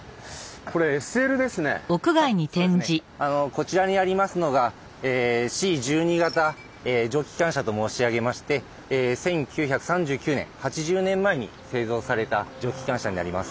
こちらにありますのがＣ１２形蒸気機関車と申し上げまして１９３９年８０年前に製造された蒸気機関車になります。